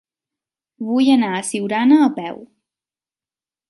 Vull anar a Siurana a peu.